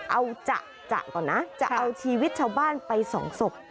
เอาจะก่อนนะจะเอาชีวิตชาวบ้านไปสองศพ